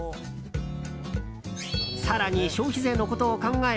更に消費税のことを考え